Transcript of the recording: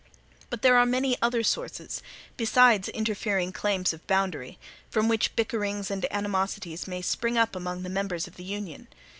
But there are many other sources, besides interfering claims of boundary, from which bickerings and animosities may spring up among the members of the Union.